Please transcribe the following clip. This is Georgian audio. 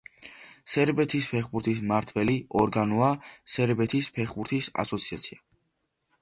სერბეთის ფეხბურთის მმართველი ორგანოა სერბეთის ფეხბურთის ასოციაცია.